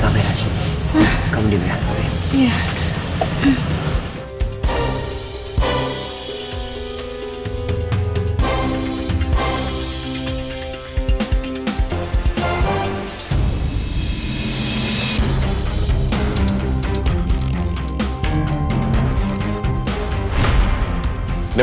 kita sampai disini